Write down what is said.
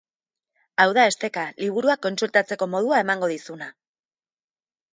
Hau da esteka, liburuak kontsultatzeko modua emango dizuna.